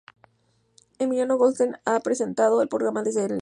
Emmanuel Goldstein ha presentado el programa desde el inicio.